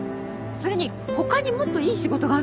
それに他にもっといい仕事があるんじゃ。